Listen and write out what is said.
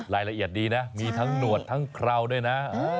รายละเอียดดีนะมีทั้งหนวดทั้งเคราวด้วยนะ